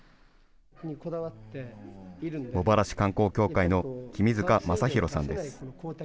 茂原市観光協会の君塚雅浩さんです。